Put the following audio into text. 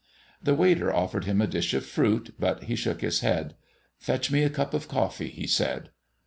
The waiter offered him a dish of fruit, but he shook his head. "Fetch me a cup of coffee," he said.